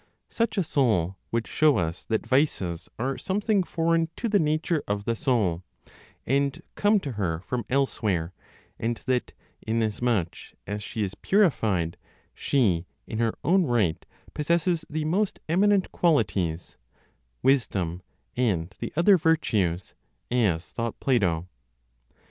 Such a soul would show us that vices are something foreign to the nature of the soul, and come to her from elsewhere, and that, inasmuch as she is purified, she in her own right possesses the most eminent qualities, wisdom, and the other virtues (as thought Plato).